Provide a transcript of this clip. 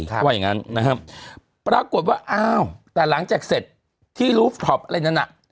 เขาว่าอย่างงั้นนะครับปรากฏว่าอ้าวแต่หลังจากเสร็จที่ลูฟท็อปอะไรนั้นน่ะ